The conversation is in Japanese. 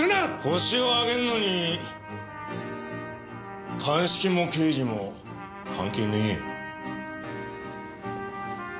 ホシを挙げるのに鑑識も刑事も関係ねぇよ。